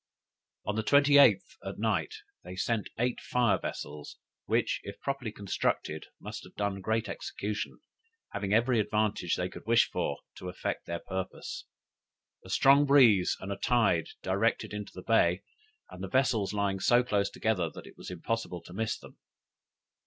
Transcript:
"On the 28th, at night they sent eight fire vessels, which, if properly constructed, must have done great execution, having every advantage they could wish for to effect their purpose; a strong breeze and tide directed into the bay, and the vessels lying so close together, that it was impossible to miss them.